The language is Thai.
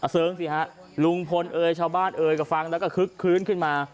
เสิร์งสิฮะลุงพลเอ่ยชาวบ้านเอ่ยก็ฟังแล้วก็คึกคืนขึ้นมา